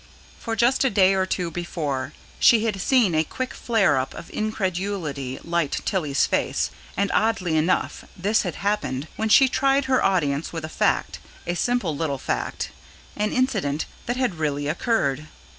For, just a day or two before, she had seen a quick flare up of incredulity light Tilly's face, and oddly enough this had happened when she tried her audience with a fact, a simple little fact, an incident that had really occurred.